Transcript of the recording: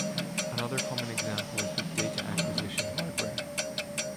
Another common example is with data acquisition hardware.